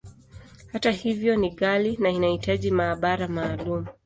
Hata hivyo, ni ghali, na inahitaji maabara maalumu.